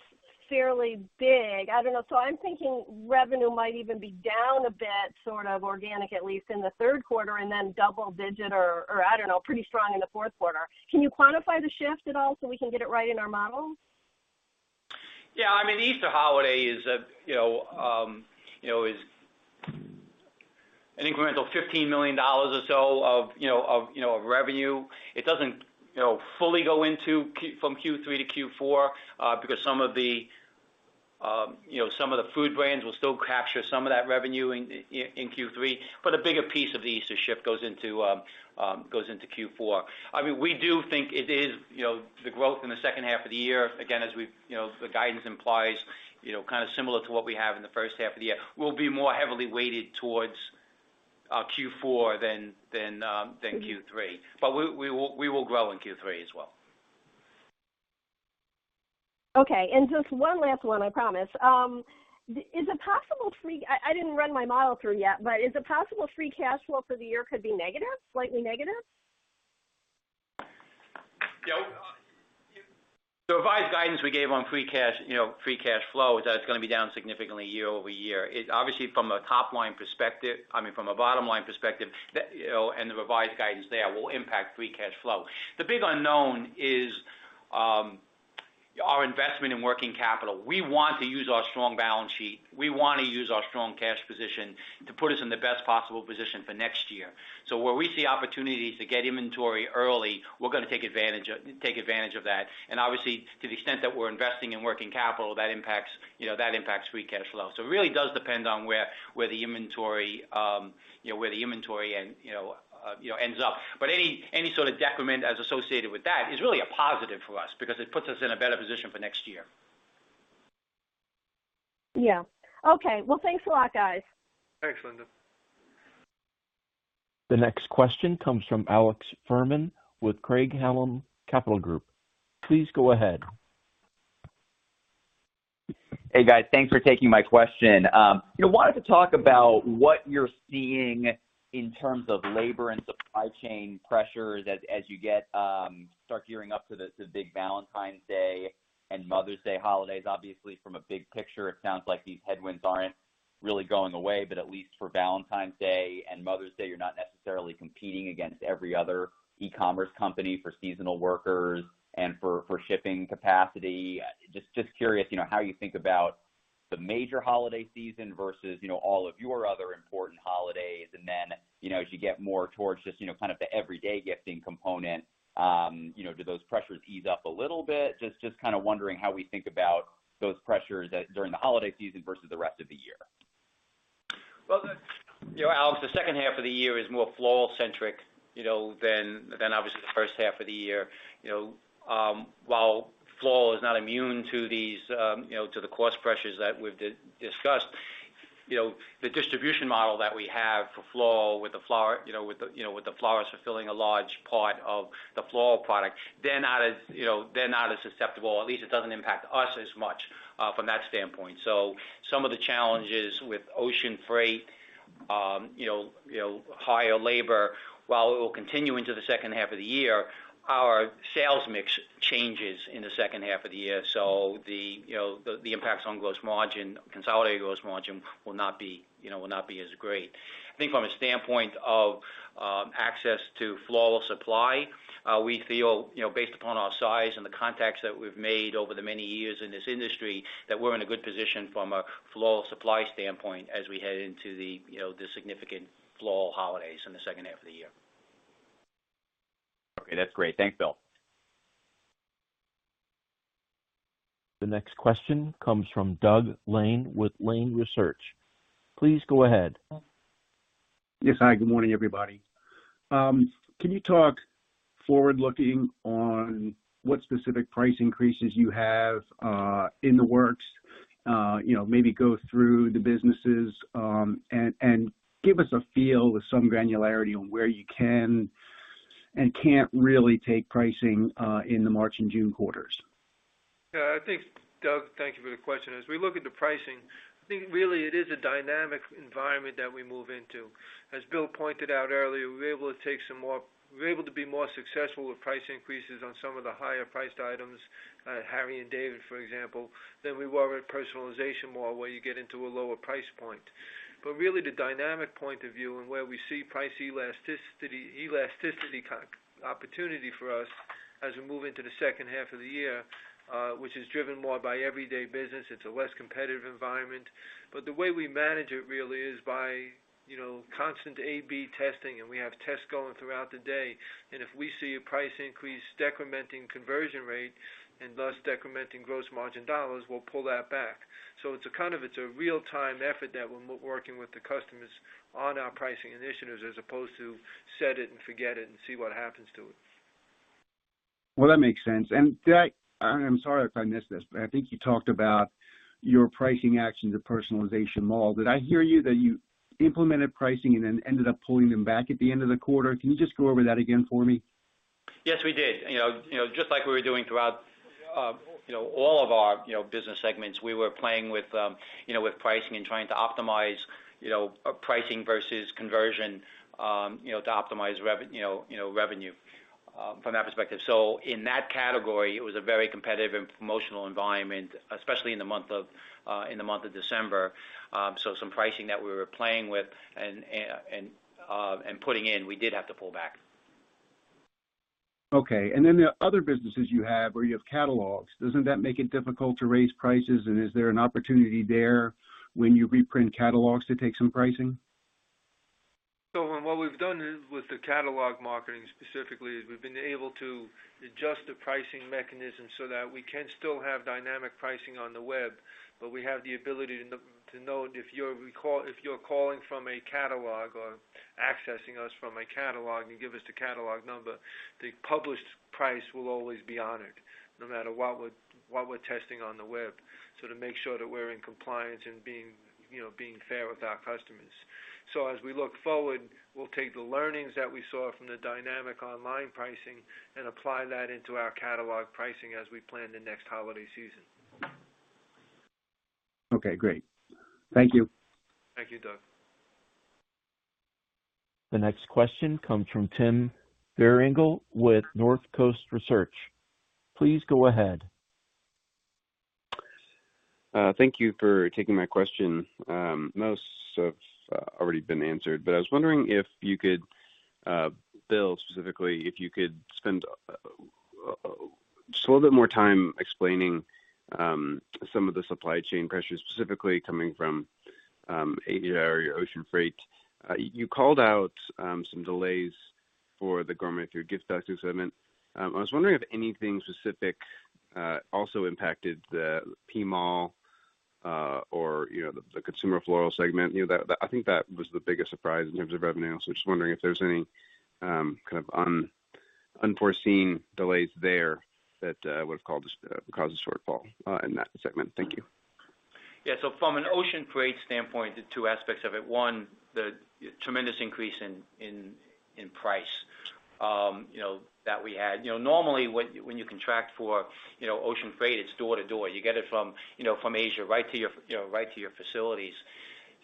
fairly big. I don't know. I'm thinking revenue might even be down a bit, sort of organic at least in the third quarter, and then double digit or I don't know, pretty strong in the fourth quarter. Can you quantify the shift at all so we can get it right in our models?
Yeah, I mean, Easter holiday is, you know, an incremental $15 million or so of revenue. It doesn't, you know, fully go from Q3 to Q4 because some of the food brands will still capture some of that revenue in Q3, but a bigger piece of the Easter shift goes into Q4. I mean, we do think it is, you know, the growth in the second half of the year, again, as we've, you know, the guidance implies, you know, kinda similar to what we have in the first half of the year, will be more heavily weighted towards Q4 than Q3. We will grow in Q3 as well.
Okay. Just one last one, I promise. Is it possible, if free, I didn't run my model through yet, but is it possible free cash flow for the year could be negative, slightly negative?
Yeah, you know, the revised guidance we gave on free cash, you know, free cash flow is that it's gonna be down significantly year-over-year. It's obviously from a top line perspective, I mean, from a bottom line perspective, that, you know, the revised guidance there will impact free cash flow. The big unknown is our investment in working capital. We want to use our strong balance sheet. We wanna use our strong cash position to put us in the best possible position for next year. Where we see opportunities to get inventory early, we're gonna take advantage of that. Obviously, to the extent that we're investing in working capital, that impacts free cash flow. It really does depend on where the inventory ends up. But any sort of decrement as associated with that is really a positive for us because it puts us in a better position for next year.
Yeah. Okay well, thanks a lot, guys.
Thanks, Linda.
The next question comes from Alex Fuhrman with Craig-Hallum Capital Group. Please go ahead.
Hey, guys. Thanks for taking my question. You know, wanted to talk about what you're seeing in terms of labor and supply chain pressures as you start gearing up for the big Valentine's Day and Mother's Day holidays. Obviously, from a big picture, it sounds like these headwinds aren't really going away, but at least for Valentine's Day and Mother's Day, you're not necessarily competing against every other e-commerce company for seasonal workers and for shipping capacity. Just curious, you know, how you think about the major holiday season versus, you know, all of your other important holidays. You know, as you get more towards just, you know, kind of the everyday gifting component, you know, do those pressures ease up a little bit? Just kinda wondering how we think about those pressures during the holiday season versus the rest of the year.
Well, you know, Alex, the second half of the year is more floral-centric, you know, than obviously the first half of the year, you know. While floral is not immune to these, you know, to the cost pressures that we've discussed, you know, the distribution model that we have for floral with the florists fulfilling a large part of the floral product, they're not as susceptible. At least it doesn't impact us as much from that standpoint. Some of the challenges with ocean freight, you know, higher labor, while it will continue into the second half of the year, our sales mix changes in the second half of the year. The impacts on gross margin, consolidated gross margin will not be, you know, as great. I think from a standpoint of access to floral supply, we feel, you know, based upon our size and the contacts that we've made over the many years in this industry, that we're in a good position from a floral supply standpoint as we head into the significant floral holidays in the second half of the year.
Okay that's great. Thanks, Bill.
The next question comes from Doug Lane with Lane Research. Please go ahead.
Yes hi, good morning everybody. Can you talk forward-looking on what specific price increases you have in the works? You know, maybe go through the businesses, and give us a feel with some granularity on where you can and can't really take pricing in the March and June quarters?
Yeah, I think, Doug, thank you for the question. As we look at the pricing, I think really it is a dynamic environment that we move into. As Bill pointed out earlier, we're able to be more successful with price increases on some of the higher priced items, Harry & David, for example, than we were at Personalization Mall where you get into a lower price point. Really the dynamic point of view and where we see price elasticity opportunity for us as we move into the second half of the year, which is driven more by everyday business, it's a less competitive environment. The way we manage it really is by, you know, constant A/B testing, and we have tests going throughout the day. If we see a price increase decrementing conversion rate and thus decrementing gross margin dollars, we'll pull that back. It's a kind of, it's a real-time effort that we're monitoring with the customers on our pricing initiatives as opposed to set it and forget it and see what happens to it.
Well, that makes sense. And that, I'm sorry if I missed this, but I think you talked about your pricing actions at Personalization Mall more. Did I hear you that you implemented pricing and then ended up pulling them back at the end of the quarter? Can you just go over that again for me?
Yes, we did. You know, just like we were doing throughout, you know, all of our, you know, business segments, we were playing with, you know, with pricing and trying to optimize, you know, pricing versus conversion, you know, to optimize revenue from that perspective. In that category, it was a very competitive and promotional environment, especially in the month of December. Some pricing that we were playing with and putting in, we did have to pull back.
Okay the other businesses you have where you have catalogs, doesn't that make it difficult to raise prices? Is there an opportunity there when you reprint catalogs to take some pricing?
What we've done is with the catalog marketing specifically, is we've been able to adjust the pricing mechanism so that we can still have dynamic pricing on the web. We have the ability to know if you're calling from a catalog or accessing us from a catalog, you give us the catalog number. The published price will always be honored no matter what we're testing on the web, so to make sure that we're in compliance and being, you know, fair with our customers. As we look forward, we'll take the learnings that we saw from the dynamic online pricing and apply that into our catalog pricing as we plan the next holiday season.
Okay, great. Thank you.
Thank you, Doug.
The next question comes from Tim Vierengel with Northcoast Research. Please go ahead.
Thank you for taking my question. Most have already been answered. I was wondering if you could, Bill, specifically, if you could spend just a little bit more time explaining some of the supply chain pressures specifically coming from Asia or your ocean freight. You called out some delays for the Gourmet Foods and Gift Baskets segment. I was wondering if anything specific also impacted the PMALL or, you know, the Consumer Floral segment. You know, that I think that was the biggest surprise in terms of revenue. I'm just wondering if there's any kind of unforeseen delays there that would have caused a shortfall in that segment. Thank you.
Yeah, so from an ocean freight standpoint, the two aspects of it, one, the tremendous increase in price, you know, that we had. You know, normally when you contract for, you know, ocean freight, it's door to door. You get it from, you know, Asia right to your facilities.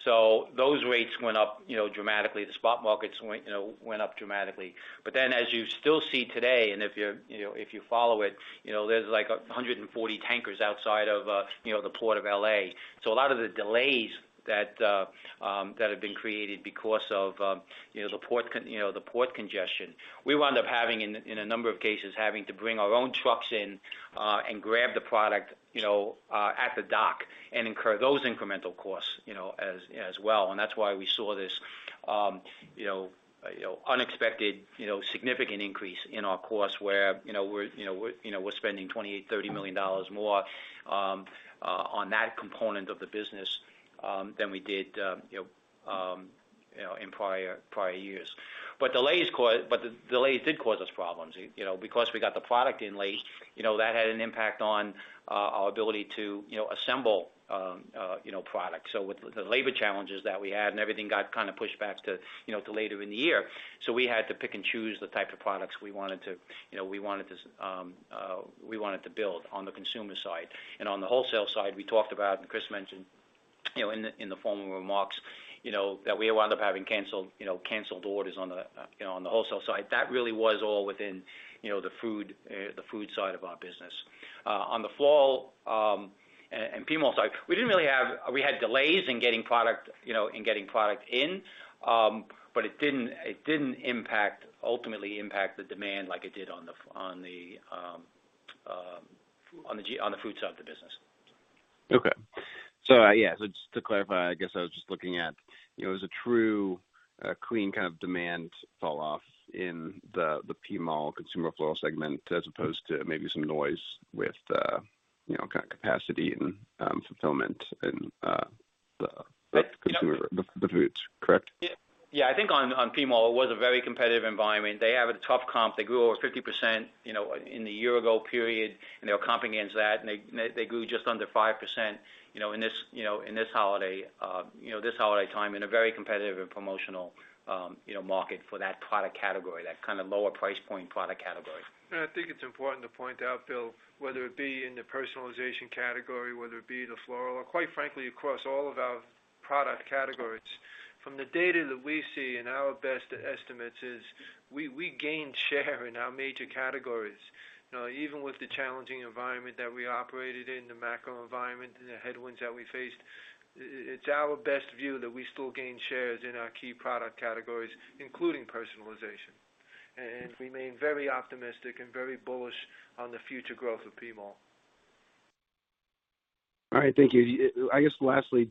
Those rates went up, you know, dramatically. The spot markets went up dramatically. As you still see today, and if you're, you know, if you follow it, you know, there's like 140 tankers outside of, you know, the Port of L.A. A lot of the delays that have been created because of you know the port congestion, we wound up in a number of cases having to bring our own trucks in and grab the product you know at the dock and incur those incremental costs you know as well. That's why we saw this you know unexpected significant increase in our costs where you know we're spending $28 million, $30 million more on that component of the business than we did in prior years. The delays did cause us problems. You know, because we got the product in late, you know, that had an impact on our ability to assemble products. With the labor challenges that we had and everything got kinda pushed back to later in the year. We had to pick and choose the type of products we wanted to build on the consumer side. On the wholesale side, we talked about and Chris mentioned in the formal remarks that we wound up having canceled orders on the wholesale side. That really was all within the food side of our business. On the Floral and PMALL side, we didn't really have. We had delays in getting product in, you know, but it didn't ultimately impact the demand like it did on the food side of the business.
Okay. So yes, just to clarify, I guess I was just looking at, you know, as a true, clean kind of demand falloff in the PMALL, Consumer Floral segment, as opposed to maybe some noise with, you know, kind of capacity and, fulfillment and, the Consumer, the foods. Correct?
Yep. Yeah. I think on PMALL, it was a very competitive environment. They have a tough comp. They grew over 50%, you know, in the year ago period, and they were comping against that. They grew just under 5%, you know, in this holiday time in a very competitive and promotional market for that product category, that kind of lower price point product category.
I think it's important to point out, Bill, whether it be in the Personalization category, whether it be the floral or quite frankly, across all of our product categories. From the data that we see and our best estimates is we gained share in our major categories. Now, even with the challenging environment that we operated in, the macro environment and the headwinds that we faced, it's our best view that we still gained shares in our key product categories, including Personalization, and remain very optimistic and very bullish on the future growth of PMALL.
All right thank you. I guess lastly,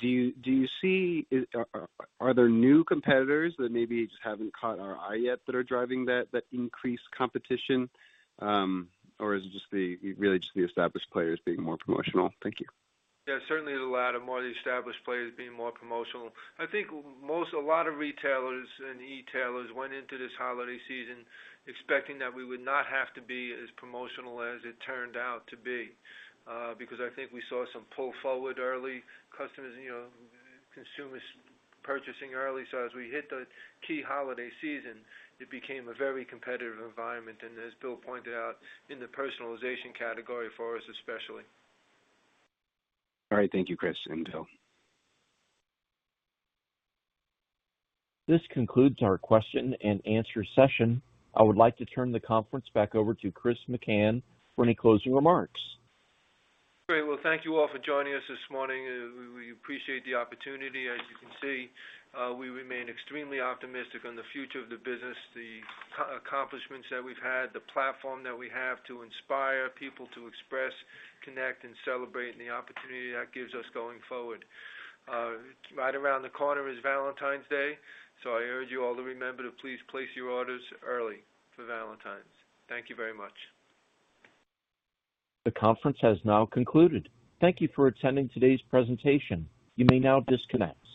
are there new competitors that maybe just haven't caught our eye yet that are driving that increased competition? Or is it just really the established players being more promotional? Thank you.
Yeah, certainly the latter, more of the established players being more promotional. I think most, a lot of retailers and e-tailers went into this holiday season expecting that we would not have to be as promotional as it turned out to be, because I think we saw some pull forward early. Customers, you know, consumers purchasing early. As we hit the key holiday season, it became a very competitive environment, and as Bill pointed out, in the Personalization category for us, especially.
All right. Thank you, Chris and Bill.
This concludes our question and answer session. I would like to turn the conference back over to Chris McCann for any closing remarks.
Great, well, thank you all for joining us this morning. We appreciate the opportunity. As you can see, we remain extremely optimistic on the future of the business, the accomplishments that we've had, the platform that we have to inspire people to express, connect, and celebrate, and the opportunity that gives us going forward. Right around the corner is Valentine's Day, so I urge you all to remember to please place your orders early for Valentine's. Thank you very much.
The conference has now concluded. Thank you for attending today's presentation. You may now disconnect.